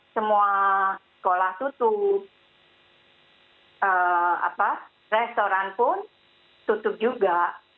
semua sekolah tutup restoran pun tutup juga